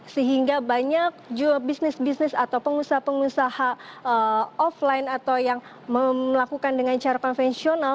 sehingga banyak bisnis bisnis atau pengusaha pengusaha offline atau yang melakukan dengan cara konvensional